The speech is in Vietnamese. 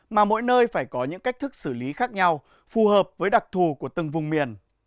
mà mỗi nơi phải có những cách thức xử lý khác nhau phù hợp với đặc thù của từng vùng miền